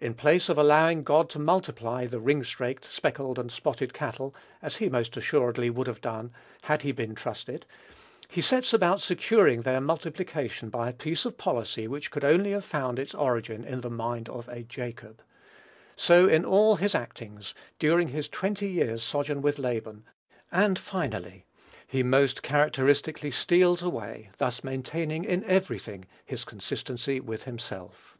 In place of allowing God to multiply "the ringstraked, speckled, and spotted cattle," as he most assuredly would have done, had he been trusted, he sets about securing their multiplication by a piece of policy which could only have found its origin in the mind of a Jacob. So in all his actings, during his twenty years' sojourn with Laban; and finally, he most characteristically "steals away," thus maintaining in every thing his consistency with himself.